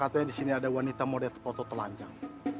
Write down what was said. katanya disini ada wanita model foto telanjang